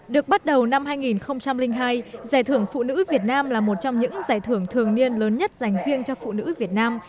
được bắt đầu năm hai nghìn hai giải thưởng phụ nữ việt nam là một trong những giải thưởng thường niên lớn nhất dành riêng cho phụ nữ việt nam